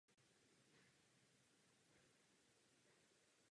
Album přijala velice kladně i odborná kritika.